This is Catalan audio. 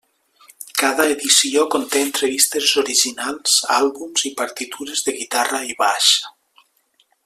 Cada edició conté entrevistes originals, àlbums i partitures de guitarra i baix.